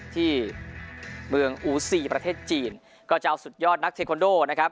ที่เมืองอูซีประเทศจีนก็จะเอาสุดยอดนักเทคอนโดนะครับ